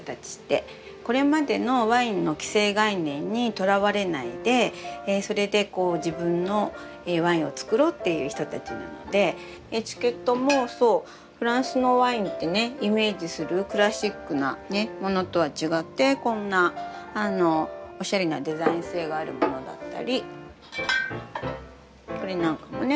これまでのワインの既成概念にとらわれないでそれでこう自分のワインをつくろうっていう人たちなのでエチケットもそうフランスのワインってねイメージするクラシックなねものとは違ってこんなおしゃれなデザイン性があるものだったりこれなんかもね